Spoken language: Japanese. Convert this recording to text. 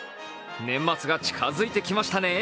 年末が近づいてきましたね。